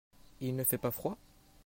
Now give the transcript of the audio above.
Il ne fait pas froid ?